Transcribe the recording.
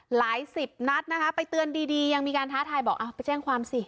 หลายสิบนัดนะคะไปเตือนดียังมีการท้าทายบอกไปแจ้งความสิ